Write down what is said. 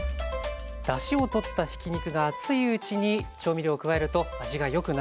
だしをとったひき肉が熱いうちに調味料を加えると味がよくなじみます。